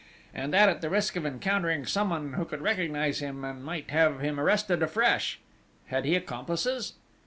And that at the risk of encountering someone who could recognise him, and might have him arrested afresh? Had he accomplices?"